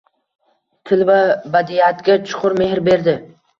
Til va badiiyatga chuqur mehr berdi.